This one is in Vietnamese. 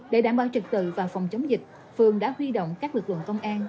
để đảm bảo trực tự và phòng chống dịch phường đã huy động các lực lượng công an